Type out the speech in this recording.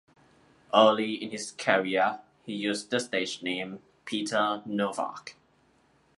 Early in his career, he used the stage name Peter Novac.